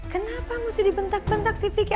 kenapa mesti dibentak bentak si vicky